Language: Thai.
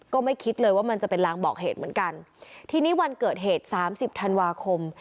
ก็ไม่คิดเลยว่ามันจะเป็นลางบอกเหตุเหมือนกันทีนี้วันเกิดเหตุสามสิบธันวาคม